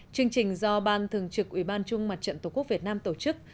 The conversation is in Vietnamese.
chương trình do ban thường trực ủy ban trung mặt trận tổ quốc việt nam tổ chức